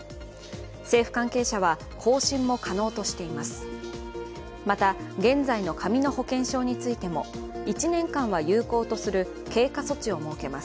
政府関係者は、更新も可能としています。